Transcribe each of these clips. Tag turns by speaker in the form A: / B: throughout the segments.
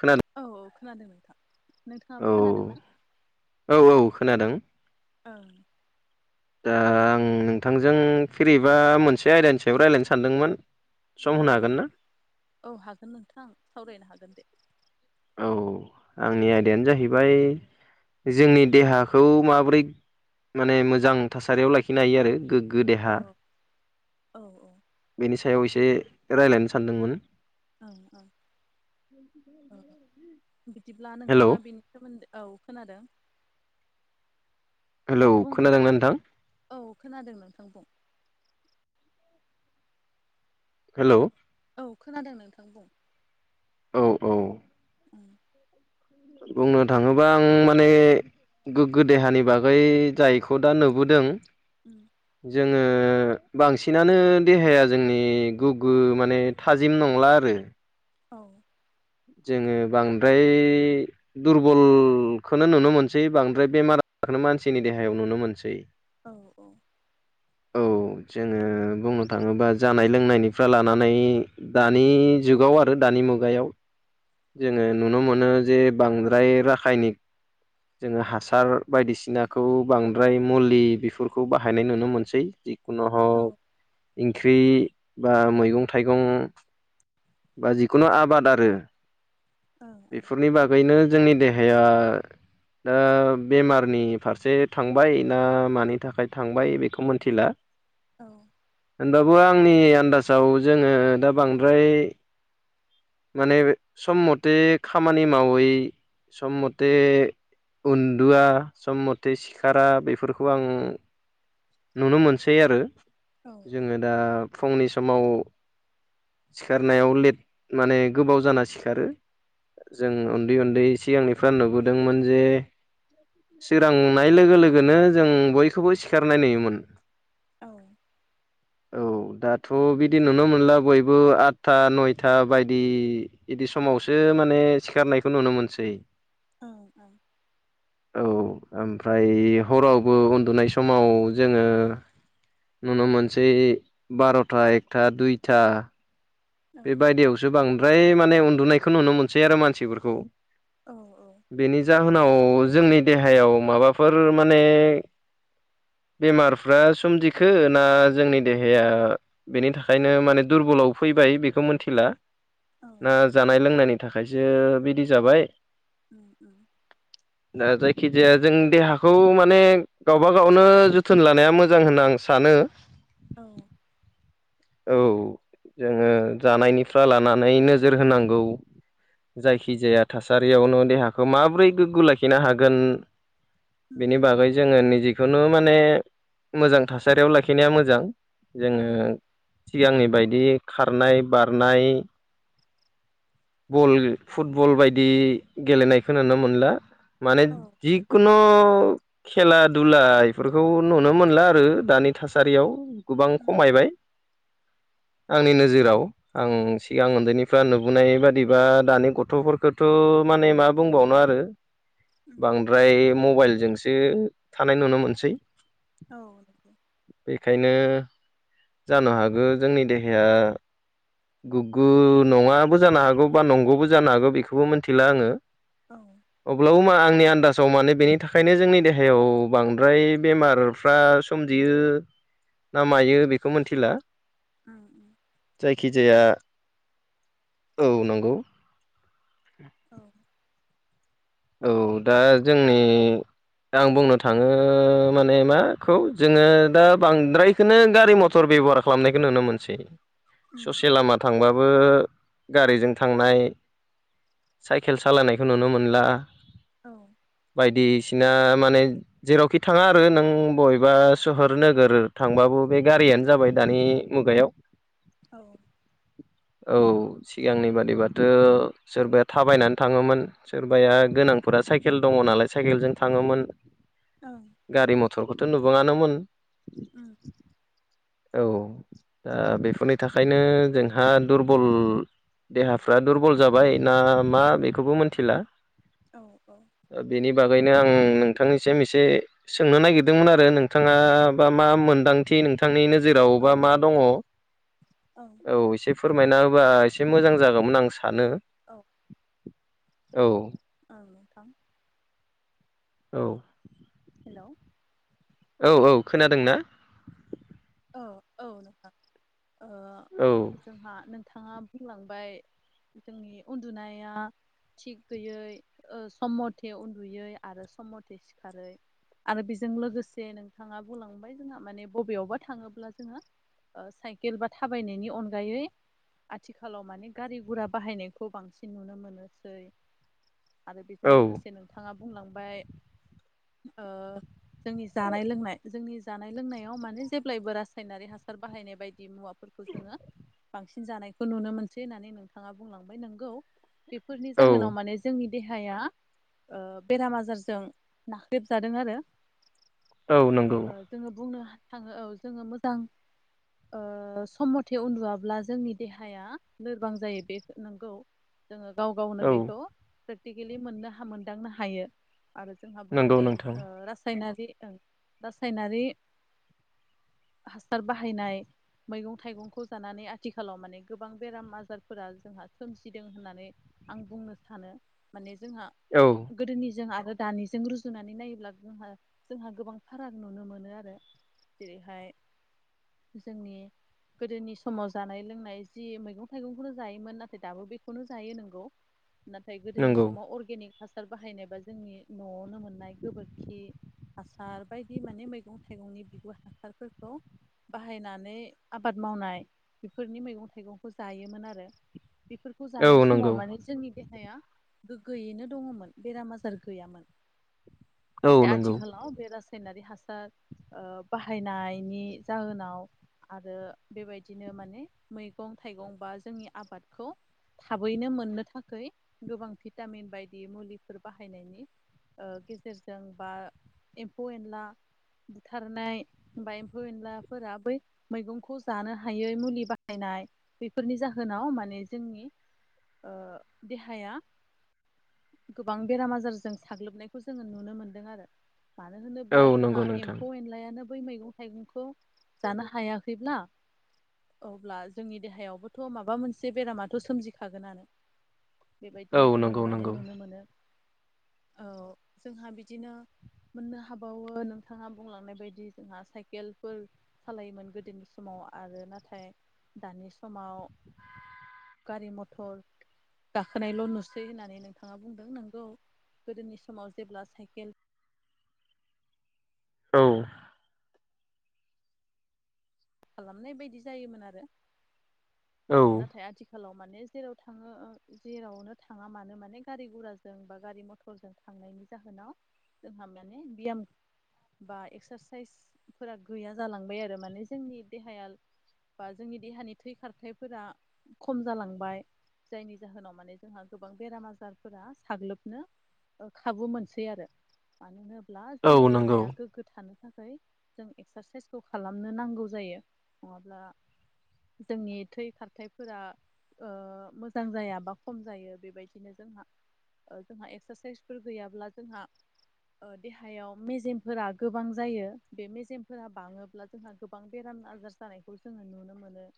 A: खोनादों
B: औ औ खोनादों नोंथां नोंथाङाबो
A: औ
B: खोनादों ना?
A: औ औ खोनादों
B: ओ
A: दा आं नोंथांजों फिरिबा मोनसे आयदानि सायाव रायलायनो सानदोंमोन सम
B: औ
A: होनो हागोन ना
B: औ हागोन नोंथांं सावरायनो हागोन दे
A: औ आंनि आयदायानो जाहैबाय जोंनि देहाखौ माबोरै माने मोजां थासारियाव लाखिनो हायो आरो गो ग्गो
B: औ
A: देहा
B: औ
A: बेनि सायाव एसे रायलायनो सानदोंमोन
B: ओं ओं औ बिदिब्ला
A: हेलौ
B: नोंथाङा बे सोमोन्दो औ खोनादों
A: हेलौ
B: औ बुं नामा
A: खोनादोंना नोंथां
B: औ खोनादों नोंथां बुं
A: हेल'
B: औ खोनादों नोंथां बुं
A: औ औ
B: उम
A: बुंनो थाङोबा आं माने गोग्गो देहानि बागै जायखौ दा नुबोदों
B: उम
A: जोङो बांसिनानो देहाया जोंनि गोगो माने थाजिम नंला आरो
B: औ
A: जोङो बांद्राय दुरबलखौनो नुनो मोनसै बांद्राय बेमार आजारखौनो मानसिनि देहायाव नुनो मोनसै
B: औ औ
A: औ जोङो बुंनो थाङोबा जानाय लोंनायनिफ्राय लानानै दानि जुगाव आरो दानि मुगायाव
B: औ
A: जोङो नुनो मोनो जे बांद्राय राखायनिक जोङो हासार बायदिसिनाखौ बांद्राय मुलि बेफोरखौ बाहायनाय नुनो मोनसै नु
B: औ
A: हक ओंख्रि बा मैगं थाइगं बा जिखुनु आबाद आरो
B: ओं ओं
A: बेफोरनि बागैनो जोंनि देहाया ओ बेमारनि फारसे थांबाय ना मानि थाखाय थांबाय बेखौ मिथिला
B: औ
A: होनबाबो आंनि आन्दाजाव जोङो दा बांद्राय माने सम मथे खामानि मावै सम मथे उन्दुआ सम मथे सिखारा बेफोरखौ आं नुनो मोनसै आरो
B: औ
A: जोङो दा फुंनि समाव सिखारनायाव लेट माने गोबाव जाना सिखारो जों
B: औ
A: उन्दै उन्दै सिगांनि फ्रा नुबोदोंमोन जे सोरांनाय लोगो लोगोनो जों बयखौबो सिखारनाय नुयोमोन
B: औ
A: औ दाथ' बिदि नुनो मोनला बयबो आदथा नय था बायदि बिदि समावसो माने सिखारनायखौ नुनो मोनसै
B: औ औ
A: औ ओमफ्राय हरावबो उन्दुनाय समाव जोङो नुनो मोनसै बार'था एकथा दुइथा बेबायदियावसो बांद्राय माने उन्दुनायखौ नुनो मोनसै आरो मानसिफोरखौ
B: औ औ
A: बेनि जाहोनाव जोंनि देहायाव माबाफोर माने बेमारफ्रा सोमजिखो ना जोंनि देहाया बेनि थाखायनो
B: उम
A: माने दुरबलाव फैबाय बेखौ मोनथिला
B: औ
A: ना जानाय लोंनायनि थाखायसो बिदि जाबाय
B: उम उम
A: ओ जायखिजाया जों देहाखौ माने गावबा गावनो जोथोन लानाया मोजां होनना आं सानो
B: औ
A: औ जोङो जानायनिफ्राय लानानै नोजोर होनांगौ जायखिजाया थासारियावनो देहाखौ माबोरै गोग्गो लाखिनो हागोन
B: उम
A: बेनि बागै जोङो निजेखौनो माने मोजां थासारियाव लाखिनाया मोजां
B: औ
A: जोङो सिगांनि बायदि खारनाय बारनाय बल फुटबल बायदि गेलेनायखौ नुनो मोनला माने
B: औ
A: जि खुनु खेला दुला बेफोरखौ नुनो मोनला आरो दानि थासारियाव गोबां
B: उम
A: खमायबाय आंनि नोजोराव आं सिगां उन्दैनि दा नुबोनाय बादिबा दानि गथ'फोरखौथ' माने मा बुंबावनो आरो
B: उम
A: बांद्राय मबाइलजोंसो थानाय नुनो मोनसै
B: औ
A: बेखायनो जानो हागौ जोंनि देहाया गोग्गो नंङाबो जानो हागौ बा नंगौबो जानो हागौ बेखौबो मिथिला आंङो
B: औ
A: अब्लाबो मा आंनि आन्दाजाव माने बेनि थाखायनो जोंनि देहायाव बांद्राय बेमारफ्रा सोमजियो ना मायो बेखौ मिथिला
B: ओम ओम
A: जायखिजाया औ नंगौ [inaudible]
B: औ
A: औ दा जोंनि आं बुंनो थांङो माने माखौ जोंङो दा बांद्राय बेखौनो गारि मथर बेब'हार खालामनायखौ नुनो मोनसै ससे लामा थांबाबो गारिजों थांनाय साइकेल सालायनायखौ नुनो मोनला
B: औ
A: बायदिसिना माने जेरावखि थांङा आरो नों बबेबा सोहोर नोगोर थांबाबो बे गारियानो जाबाय दानि मुगायाव
B: औ
A: औ सिगांनि बादिबाथ' सोरबाया थाबायनानै थांङोमोन सोरबाया गोनांफोरा साइकेल दंङो नालाय साइकेलजों थांङोमोन
B: औ
A: गारि मथरखौथ' नुबांङानोमोन
B: उम
A: औ दा बेफोरनि थाखायनो जोंहा दुरबल देहाफ्रा दुरबल जाबाय ना मा बेखौबो मिथिला
B: औ औ
A: बेनि बागैनो आं नोंथांनिसिम एसे सोंनो नागिरदोंमोन आरो नोंथांङा बा मा मोनदांथि नोंथां बिथांनि नोजोराव बा मा दङ औ एसे फोरमायना होबा एसे मोजां जागौमोन आं सानो औ
B: ओं नोंथां
A: औ
B: हेलौ
A: औ औ खोनादोंना
B: औ औ नोंथां ओ
A: औ
B: जोंहा नोंथांङा बुंलांबाय जोंनि उन्दुनाया थिग गैयै सम मथे उन्दुयै आरो सम मथे सिखारै आरो बेजों लोगोसे नोंथाङा बुंलांबाय जोंहा माने बबेयावबा थाङोब्ला जोंङो ओ साइकेल बा थाबायनायनि अनगायै आथिखालाव माने गारि गुरा बाहायनायखौ बांसिन नुनो मोनोसै आरो बेजों
A: औ
B: लोगोसे नोंथांङा बुंलांबाय ओ जोंनि जानाय लोंनाय जोंनि जानाय लोंनायाव माने जेब्लायबो रासायनारि हासार बाहायनाय बायदि मुवा फोरखौ जोंङो बांसिन जानायखौ नुनो मोनसै होननानै नोंथांङा बुंलांबाय नोंगौ बेफोरनि
A: औ
B: जाहोनाव माने जोंनि देहाया ओ बेराम आजारजों नाख्रेबजादों आरो
A: औ नंगौ
B: ओ जोङो बुंनो थाङो औ जोङो मोजां ओ सम मथे उन्दुवाबाला जोंनि देहाया लोरबां जायो बे नोंगौ जोङो गाव गावनो
A: औ
B: बेखौ प्रेक्टिकेलि मोननो हायो मोनदांनो हायो आरो जोंहा बुंनो
A: नंगौ
B: हायो
A: नोंथां
B: ओ रासायनारि ओं रासायनारि हासार बाहायनाय मैगं थाइगंखौ जानानै आथिखालाव माने गोबां बेराम आजारफोरा जोंहा सोमजिदों होननानै आं बुंनो सानो माने जोंहा
A: औ
B: गोदोनिजों आरो दानिजों रुजुनानै नायोब्ला जोंहा जोंहा गोबां फाराग नुनो मोनो आरो जेरैहाय जोंनि गोदोनि समाव जानाय लोंनाय जि मैगं थाइगंखौनो जायोमोन नाथाय दाबो बेखौनो जायो नंगौ नाथाय गोदोनि
A: नंगौ
B: समाव अर्गेनिक हासार बाहायनायबा जोंनि न'आवनो मोननाय गोबोरखि हासार बायदि माने मैगं थाइगंनि बिगुर हासारफोरखौ बाहायनानै आबाद मावनाय बेफोरनि मैगं थाइगंखौ जायोमोन आरो बेफोरखौ
A: औ
B: जानाय
A: नंगौ
B: समाव माने जोंनि देहाया गोग्गोयैनो दङमोन बेराम आजार गैयामोन
A: औ
B: नाथाय
A: नंगौ
B: आथिखालाव बे रासायनारि हासार बाहायनायनि जाहोनाव आरो बेबायदिनो माने मैगं थाइगं बा जोंनि आबादखौ थाबैनो मोननो थाखाय गोबां भिटामिन बायदि मुलिफोर बाहायनायनि गेजेरजों बा एमफौ एनला बुथारनाय ओ एमफौ एनलाफोरा बै मैगंखौ जानो हायै मुलि बाहायनाय बेफोरनि जाहोनाव माने जोंनि ओ देहाया गोबां बेराम आजारजों साग्लोबनायखौ जोङो नुनो मोनदों आरो मानो
A: औ
B: होनोब्ला
A: नंगौ
B: जोंहा
A: नोंथां
B: एमफौ एनलायानो बै मैगं थाइगंखौ जानो हायाखैब्ला अब्ला जोंनि देहायावबोथ' माबा मोनसे बेरामाथ' सोमजिखागोनानो
A: औ
B: बेबायदिनो जोङो
A: नंगौ
B: माने
A: नंगौ
B: नुनो मोनो औ जोंहा बिदिनो मोननो हाबावो नोंथाङा बुंलांनाय बायदि जोंहा साइकेलफोर सालायोमोन गोदोनि समाव आरो नाथाय दानि समाव गारि मथर गाखोनायल' नुसै होननानै नोंथाङा बुंदों नोंगौ गोदोनि समाव जेब्ला साइकेल
A: औ
B: खालामनाय बायदि जायोमोन आरो
A: औ
B: नाथाय आथिखाल आथिखालाव माने जेराव थाङो जेरावनो थाङा मानो माने गारि गुराजों बा गारि मथर सायकेल [unintelligible] जों थांनायनि जाहोनाव जोंहा माने बियाम बा एक्सरेसाइसफोरा गैया जालांबाय आरो माने जोंनि देहाया बा जोंनि देहानि थै खारथायफोरा खम जालांबाय जायनि जाहोनाव माने जोंहा गोबां बेराम आजारफोरा साग्लोबनो ओ खाबु मोनसै आरो मानो होनोब्ला
A: औ
B: जोंनि
A: नंगौ
B: देहाया गोग्गो थानो थाखाय जों एक्सरेसाइसखौ खालामनो नांगौ जायो नङाब्ला जोंनि थै खारथायफोरा ओ मोजां जाया बा खम जायो बेबायदिनो जोंहा ओ जोंहा एक्सरेसाइसफोर गैयाब्ला जोंहा ओ देहायाव मेजेमफोरा गोबां जायो बे मेजेमफोरा बाङोब्ला जोंहा गोबां बेराम आजार जानायखौ जोङो नुनो मोनो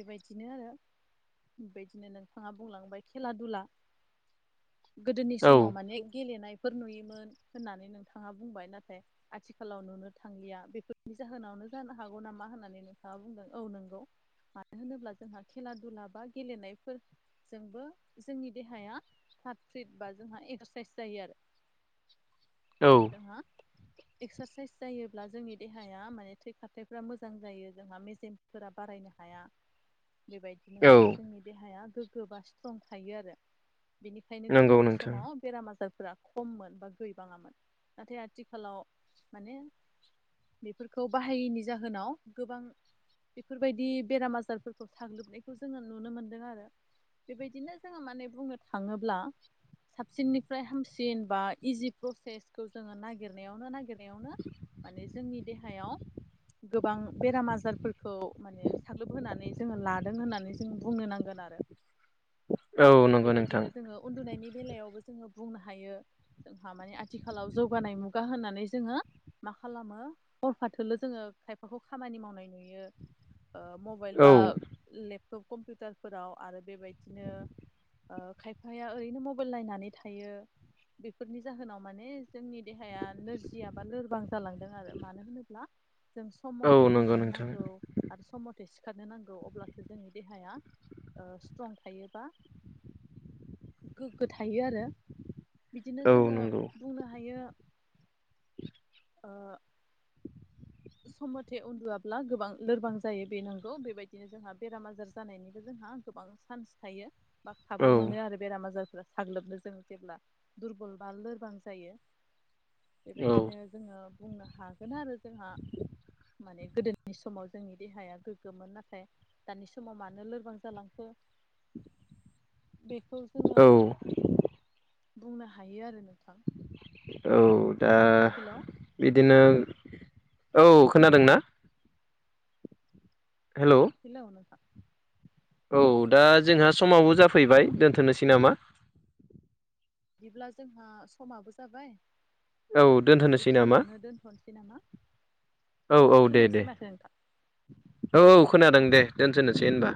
B: बेबायदिनो आरो बेबायदिनो नोंथाङा बुंलांबाय खेला दुला गोदोनि
A: औ
B: समाव माने गेलेनायफोर नुयोमोन होननानै नोंथाङा बुंबाय नाथाय आथिखालाव नुनो थांलिया बेफोरनि जाहोनावनो जानो हागौ नामा होननानै नोंथाङा बुंदों औ नंगौ मानो होनोब्ला जोंहा खेला दुला बा गेलेनायफोर जोंबो जोंनि देहाया फ्राथ फ्रिट बा जोंहा एक्सरेसाइस जायो आरो
A: औ
B: जोंहा एक्सारसाइस जायोब्ला जोंनि देहाया माने थै खारथायफ्रा मोजां जायो जोंहा मेजेमफोरा बारायनो हाया बेबायदिनो
A: औ
B: माने जोंनि देहाया गोग्गो बा स्ट्रं थायो आरो। बेनिखायनो
A: नंगौ
B: गोदोनि
A: नोंथां
B: समाव बेराम आजारफोरा खममोन बा गैबाङामोन नाथाय आथिखालाव माने बेफोर खौ बाहायैनि जाहोनाव गोबां बेफोरबायदि बेराम आजारफोरखौ साग्लोबनायखौ जोङो नुनो मोन्दों आरो। बेबायदिनो जोङो माने बुंनो थाङोब्ला साबसिननिफ्राय हामसिन बा इजि प्रसेसखौ जोङो नागिरनायावनो नागिर नायावनो माने जोंनि देहायाव गोबां बेराम आजारफोरखौ माने साग्लोबहोनानै जोङो लादों होननानै जों बुंनो नांगोन आरो।
A: औ नंगौ नोंथां
B: बेबायदिनो जोङो उनदुनायनि बेलायावबो जोङो बुंनो हायो। जोंहा माने आथिखालाव जौगानाय मुगा होनानै जोङो मा खालामो हरफा फाथो जोङो खायफाखौ खामानि मावनाय नुयो ओ मबाइल बा
A: औ
B: लेपटप कम्पिउटारफोराव आरो बेबायदिनो ओ खायफाया ओरैनो मबाइल नायनानै थायो। बेफोरनि जाहोनाव माने जोंनि देहाया नोरजियाबा लोरबां जालांदों आरो। मानो होनोब्ला जों सम
A: औ
B: मथे
A: नंगौ
B: उन्दुनो
A: नोंथां
B: नांगौ। आरो सम मथे सिखारनो नांगौ अब्लासो जोंनि देहाया ओ सिट्रं थायोबा गोग्गो थायो आरो। बिदिनो
A: औ
B: जोङो
A: नंगौ
B: बुंनो हायो ओ सम मथे उन्दुआब्ला गोबां लोरबां जायो बे नंगौ बेबायदिनो जोंहा बेराम आजार जानायनिबो जोंहा गोबां चान्स थायो बा
A: औ
B: खाबु मोनो आरो। बेराम आजारफोरा साग्लोबनो जों जेब्ला दुरबल बा लोरबां जायो।
A: औ
B: बेबायदिनो जोङो बुंनो हागोन आरो जोंहा माने गोदोनि समाव जोंनि देहाया गोग्गोमोन नाथाय दानि समाव मानो लोरबां जालांखो बेखौ जोङो
A: औ
B: बुंनो हायो आरो नोंथां।
A: औ दा
B: हेल'
A: बिदिनो
B: नोंथां
A: औ खोनादों ना। हेल'
B: हेलौ नोंथां।
A: औ दा जोंहा समावबो
B: हेल'
A: जाफैबाय दोनथ'नोसै नामा?
B: बिदिब्ला जोंहा समाबो जाबाय
A: औ दोनथ'नोसै नामा
B: बेखिनियावनो दोनथ'नोसै नामा।
A: औ औ दे दे
B: खोनायासै माथो नोंथां
A: औ खोनादों दे दोनथ'नोसै होनबा।